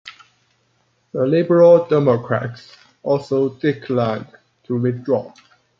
The Liberal Democrats also declined to withdraw.